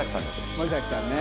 森咲さんね。